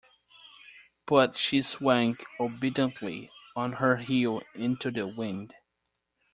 But she swung obediently on her heel into the wind.